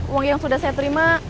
uang yang sudah saya terima